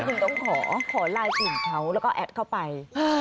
คุณต้องขอไลน์กลุ่มเขาแล้วก็แอดเข้าไป